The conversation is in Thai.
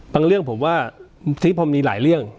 เรื่องผมว่าที่พอมีหลายเรื่อง